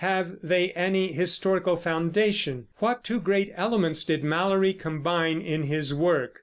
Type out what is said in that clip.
Have they any historical foundation? What two great elements did Malory combine in his work?